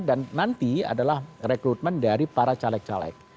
dan nanti adalah rekrutmen dari para caleg caleg